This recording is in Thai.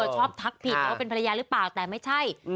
ชอบทักผิดว่าเป็นภรรยาหรือเปล่าแต่ไม่ใช่